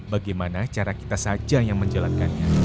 bagaimana cara kita saja yang menjalankannya